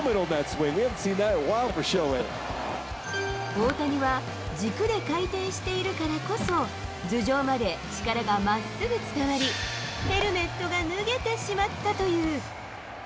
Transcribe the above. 大谷は、軸で回転しているからこそ、頭上まで力がまっすぐ伝わり、ヘルメットが脱げてしまったという。